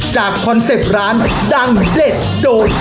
จากคอนเซปร้านดำเด็ดโดน